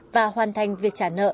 và hoàn thành việc trả nợ